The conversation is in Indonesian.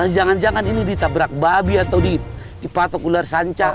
jangan jangan ini ditabrak babi atau dipatok ular sancah